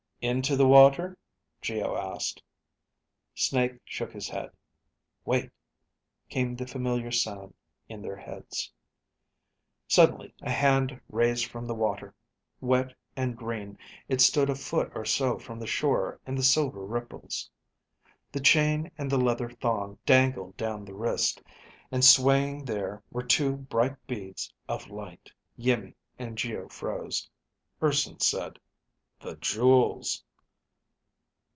"Into the water?" Geo asked. Snake shook his head. Wait ... came the familiar sound in their heads. Suddenly a hand raised from the water. Wet and green, it stood a foot or so from the shore in the silver ripples. The chain and the leather thong dangled down the wrist, and swaying there were two bright beads of light. Iimmi and Geo froze. Urson said, "The jewels...."